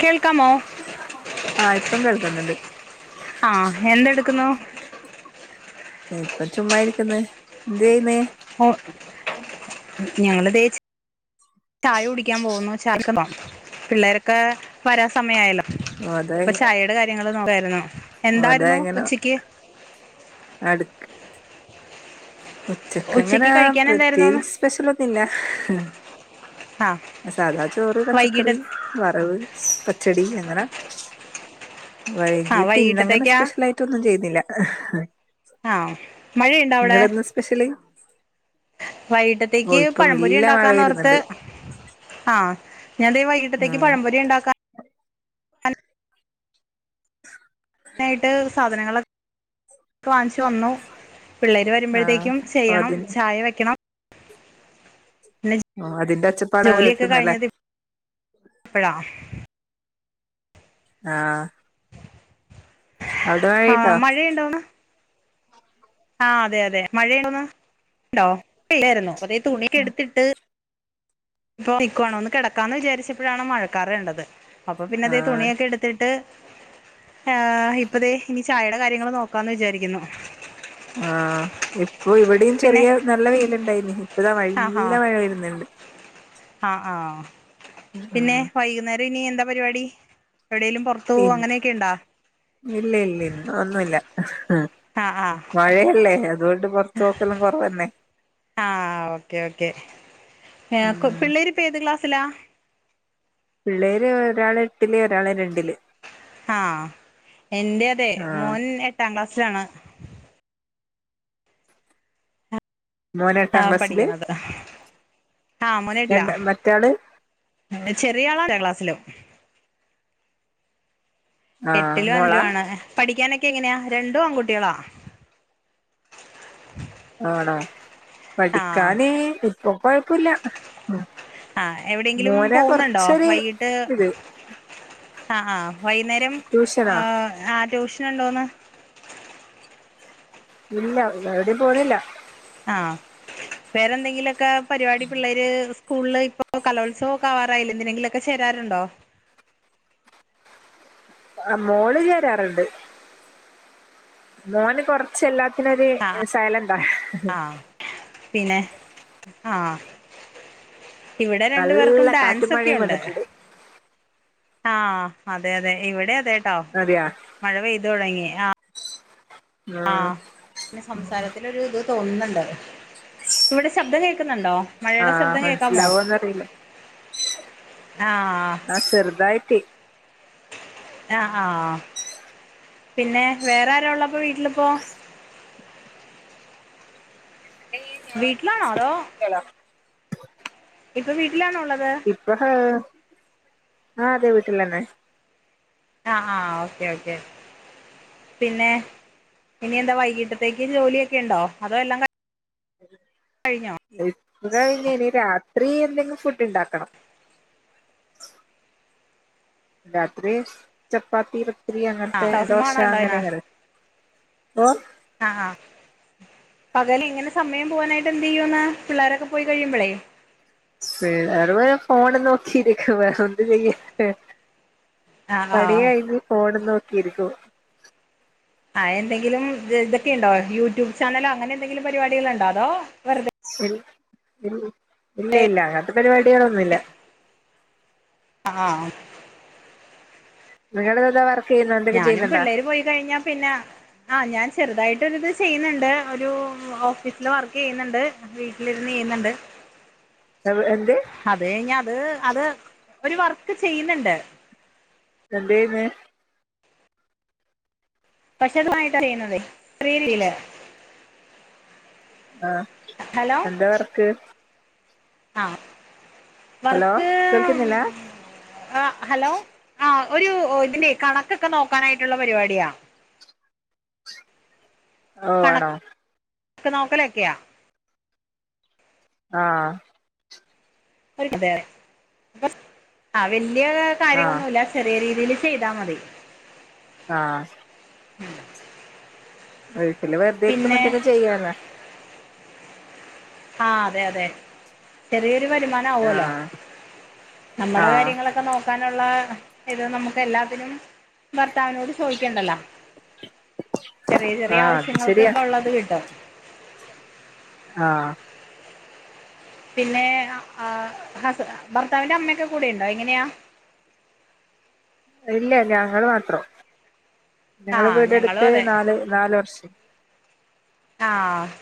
കേൾക്കാമോ ആഹ ഇപ്പം കേൾക്കുന്നുണ്ട് ആഹ എന്തെടുക്കുന്നു ഇപ്പ ചുമ്മാ ഇരിക്കന്ന് എന്ത്തു ചെയ്യുന്നേ? ഓ ഞങ്ങൾതെചായ കുടിക്കാൻ പോകുന്നു [unintelligible] പിള്ളേരൊക്കെ വരാ സമയായല്ലോ അപ്പ ചായോട കാര്യ [unintelligible] ഓ അത എങ്ങനെ അടുക്ക് ഉച്ചക്ക് അങ്ങനെ കഴിക്കാൻ എന്തായിരുന്നുന്ന് പ്രത്യേകിച്ച് സ്പെഷ്യൽ ഒന്നുല്ല ആ സാധാ ചോറ് വൈകിട്ട് പച്ചക്കറി വറവ് പച്ചടി അങ്ങനെ ആ വൈകിട്ട് ഇന്നങ്ങനെ വൈകിട്ടത്തേക്കാ സ്പെഷ്യൽ ആയിട്ടൊന്നും ചെയ്യുന്നില്ല ആ മഴയുണ്ടോ അവിടെ? നിങ്ങളെന്താ സ്പെഷ്യല് ഓ വൈകിട്ടത്തേക്ക് ഇപ്പം പഴംപൊരി വല്യ മഴ ഉണ്ടാക്കാന്നോർത്ത് വരുന്നുണ്ട് ആഹ് ഞാദെ വൈകിട്ടത്തേക്ക് ഉം പഴമ്പരി ഉണ്ടാക്കാ ആയിട്ട് സാധനങ്ങളൊക്കെ വാങ്ങിച്ചു വന്നു പിള്ളേര് ആഹ് വരുമ്പോഴത്തേക്കും ചെയ്യണം അതിന് ചായ വെക്കണം പിന്നെ ആഹ് അതിന്റെ അച്ച്ച ജോലിയൊക്കെ കഴിഞ്ഞത് അപ്പഴാ ആഹ് അവിടെ ആ മായേയ്തോ [unintelligible] ആഹ് അതെ അതെ മഴയാണന്ന് ഉണ്ടോ പല്ലായിരുന്നു അതെ തുണിക്ക് എടുത്തിട്ട് ഇപ്പൊ [unintelligible] ഒന്ന് കിടക്കാന്ന് വിചാരിച്ചപ്പോഴാണ് മഴക്കാറേണ്ടത് അപ്പൊ പിന്നെ അത ആഹ് തുണിയൊക്കെ എടു ത്തിട്ട് ഇപ്പതേ ഇനി ചായെടെ കാര്യങ്ങൾ നോക്കാന്ന് വിചാരിക്കുന്നു ആഹ് ഇപ്പൊ ഇവിടെയും പിന്നെ ചെറിയ നല്ല വെൽുണ്ടായിന് ഇപ്പതാ നല്ല മഴ വരുന്നുണ്ട് ആഹ് ആഹ് പിന്നെ ഉം വൈകുന്നേരം ഇനി എന്താ പരിപാടി എവിടെേങ്കലുംറത്ത് തോ ഇ അങ്ങനെയൊക്കെ ഇണ്ടാ ഇല്ല ഇല്ല ഇല്ല ഒന്നുല്ല ആ ആ മഴയല്ലേ അതോണ്ട് പൊറത്ത് പോക്കല് കൊറവന്നെ ആഹ് ഓക്കേ ഓക്കേ ഉം പിള്ളേരിപ്പൊ ഏത് ക്ലാസ്സിലാ പിള്ളേര് ഒരാള് എട്ടില് ഒരാള് രണ്ടില് ആ എന്റെ അതെ ആഹ് മോൻ എട്ടാം ക്ലാസ്സിലാണ് മോന് ആ എട്ടാം ക്ലാസ്സില് പഠിക്കുന്നത് ആഹ് മോനെട്ടില രണ്ട മറ്റാള് ചെറിയ ആളന്ജ്ജ ക്ലാസ്സിലും ആഹ് എട്ടിലും മോളാ രണ്ടിലുവാണ് പഠിക്കാനൊക്കെ എങ്ങനെയാ രണ്ടും ആൺകുട്ടിയളാ ആണോ ആഹ് പഠിക്കാന് ഇപ്പൊ കൊഴപ്പുല്ല ആഹ് എവിടെങ്കിലും പോവുന്നുണ്ടോ വൈകിട്ട് ഇത് ആഹ് ആഹ് വൈന്നേരം ട്യൂഷനാ ആ ആ ട്യൂഷൻ ഉണ്ടോന്ന് ഇല്ല എവിടേം പോണില്ല ആഹ് വേറെന്തെങ്കിലൊക്കെ പരിപാടി പിള്ളേര് സ്കൂളിൽ ഇപ്പോ കലോത്സവം ഒക്കെ ആവാറായില്ല എന്തിനെങ്കിലൊക്കെ ചേരാറുണ്ടോ ആ മോള് ചേരാറുണ്ട് മോന് കൊറച്ച് എല്ലാത്തിനൊരു ആഹ് സൈലന്റാ ആഹ് പിന്നെ ആഹ് ഇവിടെ രണ്ടു പേർക്കും നല്ല കാറ്റും മഴയും ഡാൻസൊക്കെയുണ്ട് വന്നിട്ടുണ്ട് ആഹ് അതെ അതെ ഇവിടെ അതെട്ടോ അതെയാ മഴ പെയ്ത് തൊടങ്ങി ആഹ് ആ ആഹ് സംസാരത്തിലൊരുത് തോന്നുന്നുണ്ട് ഇവിടെ ശബ്ദം കേക്കുന്നുണ്ടോ ആ മഴയുടെ ശബ്ദം കേക്കാമോ മനസ്സിലാവോന്നറിയില്ല ആഹ് ആഹ് ചെർതായിട്ട് ആഹ് ആ പിന്നെ വേറാര ഉള്ളപ്പോ വീട്ടിലിപ്പോ [inaudible] വീട്ടിലാണോ അതോ ഹലോ ഇപ്പൊ വീട്ടിലാണോ ഉള്ളത് ഇപ്പൊ ആഹ് അതെ വീട്ടിലാണ് ആഹ് ആഹ് ഓക്കേ ഓക്കെ പിന്നെ ഇനി എന്താ വൈകിട്ടത്തേക്ക് ജോലിയൊക്കെ ഇണ്ടോ അതോ എല്ലാം ക [inaudible] കഴിഞ്ഞോ ഇപ്പ കഴിഞ് ഇനി രാത്രി എന്തെങ്കി ഫുഡ്ണ്ടാക്കണം രാത്രി ചപ്പാത്തി പത്തിരി അങ്ങത്തെ ആഹ് സിനിമ ദോശ കാണാറുണ്ടോ അതിന് അങ്ങനെങ്ങ ഓഹ് ആ ആഹ് പകൽ ഇങ്ങനെ സമയം പോവാനായിട്ട് എന്ത് ചെയ്യുന്നാ പിള്ളോരൊക്കെ പോയി കഴിയുമ്പോളെ പിള്ളേറ്പോയ ഫോണ് നോക്കിയിരിക്കും വേറെന്ത് ചെയ്യ ആഹ് പണി ആഹ് കഴിഞ്ഞ് ഫോണും നോക്കിയിരിക്കൂ- ആഹ് എന്തെങ്കിലും ഇതൊക്കെയുണ്ടോ യൂട്യൂബ് ചാനലോ അങ്ങനെ എന്തെങ്കിലും പരിപാടികള്ണ്ടോ അതോ വെറുതെ ഇല്ല ഇല്ല അങ്ങനത്തെ പരിപാടിയളൊന്നുല്ല- ആഹ് - നിങ്ങളെതാ- ഞാനും പിള്ളേര് പോയി കഴിഞ്ഞാ പിന്നെ- ആഹ് ഞാൻ ചെറുതായിട്ടൊര്ത് ചെയ്യുന്നുണ്ട് ഒരു ഓഫീസില് വർക്ക് ചെയ്യുന്നൊണ്ട്- വീട്ടിലിരുന്ന് ചെയ്യുന്നൊണ്ട്- എന്ത്- അത് കയിഞ്ഞാ അത് അത് ഒരു വർക്ക് ചെയ്യുന്നൊണ്ട്- എന്തെയ്യുന്നേ- പക്ഷേ അത് വൈകിട്ടാ ചെയ്യുന്നേ പിടി കിട്ടീലെ- ആഹ് എന്താ വർക്ക്- ആഹ് ഹലോ വർക്ക്- കേൾക്കുന്നില്ല ആഹ് ഹലോ ആഹ് ഒരു ഇതിൻ്റെ കണക്കൊക്കെ നോക്കാനായിട്ട്ള്ള പരിപാടിയാ- ഓഹ് ആണോ? ക്ക് നോക്കലക്കെയാ- ആഹ്- ഒര് കസേര ആഹ് വല്ലിയ ആ കാര്യങ്ങളൊന്നുല്ല- ചെറിയ രീതീല് ചെയ്താ മതി- ആഹ്- വീട്ടില് വെർതെ ഇരിക്കുംമ്പം പിന്നെ എന്തേലും ചെയ്യാലോ- ആഹ് അതെ അതെ ചെറീയൊരു വരുമാൻ- നാവൂ ആ ല്ലോ ആ നമ്മടെ കര്യങ്ങളെക്കെ നോക്ക് ക്കാന്ള്ളാ ഇത് നമ്മുക്ക് എല്ലാത്തിനും- ഭർത്താവിനോട് ചോയിക്കണ്ടല്ലോ ചെറിയ ആ ചെറിയ അത് ആവശ്യങ്ങൾക്ക് ശരിയാ ക്കെ ള്ളത് കിട്ടും- ആഹ്- പിന്നെ അ ആഹ് ഹസ് ഭർത്താവി്ൻ്റെ അമ്മയക്കെ കൂടെ യിണ്ടാ എങ്ങിനിയാ- ഇല്ല ഞങ്ങള് മാത്രം ആ ഞങ്ങള് ഞങ്ങളും വീടെടുത്ത് അതെ നാല് നാല് വർഷം- ആഹ്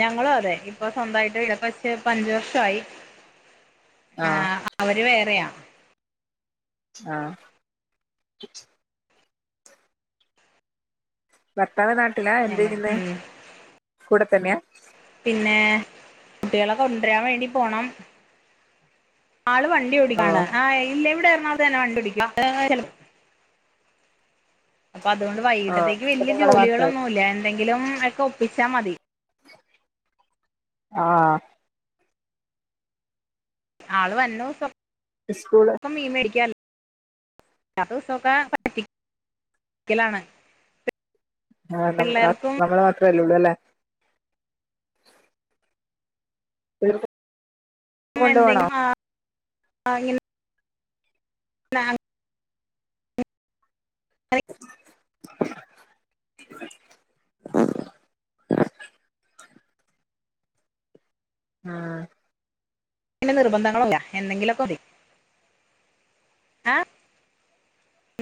ഞങ്ങളും അതെ ഇപ്പൊ സ്വന്തായിട്ട് വീട്ക്കെ വച്ച് പ്പഞ്ച് വർഷായി- ആഹ് അവര് വേറെയാ- ആഹ് ഭർത്താവ് നാട്ടിലാ എന്ത് ഞങ്ങൾ യ്യിന്നെ ഉം കൂടെ തന്നെയാ? പിന്നെ കുട്ടിയാളെ കൊണ്ടരാൻ വേണ്ടി പോണം. ആള് വണ്ടി ഓ ഓടിക്കാണ് ആഹ് ഇല്ല ഇവിടെ എറണാകൊൾതെന്നെ വണ്ടി ഓടിക്കും ആഹ് ചെല അപ്പ അതുകൊണ്ട് ഓ വൈകീട്ടത്തേക്ക് അപ്പൊ വല്ലിയ നിങ്ങള് മാത്രം ജോലികളൊന്നൂല്ല എന്തെങ്കിലും ഒക്കെ ഒപ്പിച്ചാ മതി. ആഹ് ആള് വന്നോസം- ഉസ്കൂള് ഇപ്പം മീൻ മേടിക്കാലോ? അല്ലാത്ത ദിവസൊക്കെ പറ്റിക്കലാണ്- ആഹ് നം ഹസ് പിള്ളേർക്കും നമ്മള് മാത്രല്ലെ ഒള്ളൂ അല്ലേ? [unintelligible] ഉം കൊണ്ടുപോണോ എന്തെങ്കി വാങ്ങി ന്നാ ആഹ് [inaudible] ആഹ് പിന്നെ നിർബന്ധങ്ങളുംല്ല എന്തെങ്കിലൊക്കെ മതി- ആ